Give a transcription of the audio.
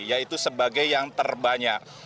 yaitu sebagai yang terbanyak